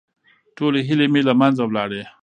ټولې هيلې مې له منځه ولاړې.